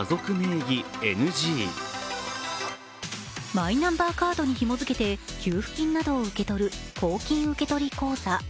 マイナンバーカードにひもづけて給付金などを受け取る公金受取口座。